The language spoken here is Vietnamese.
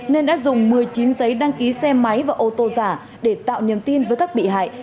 nên đã dùng một mươi chín giấy đăng ký xe máy và ô tô giả để tạo niềm tin với các bị hại